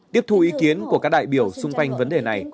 tiếp thu ý kiến của các đại biểu xung quanh vấn đề này